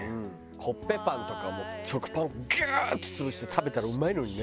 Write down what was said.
コッペパンとか食パンをギューッと潰して食べたらうまいのにね。